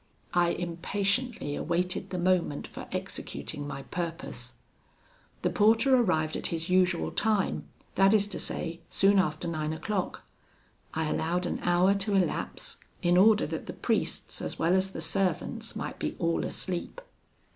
I impatiently awaited the moment for executing my purpose. The porter arrived at his usual time, that is to say, soon after nine o'clock. I allowed an hour to elapse, in order that the priests as well as the servants might be all asleep.